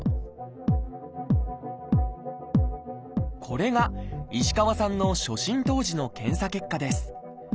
これが石川さんの初診当時の検査結果です。